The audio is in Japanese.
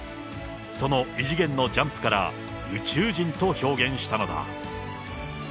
その異次元のジャンプから、宇宙人と表現したのだ。